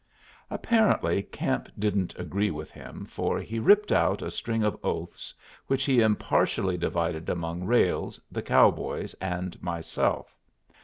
Apparently Camp didn't agree with him, for he ripped out a string of oaths which he impartially divided among Ralles, the cowboys, and myself.